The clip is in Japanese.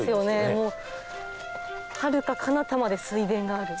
はるかかなたまで水田がある。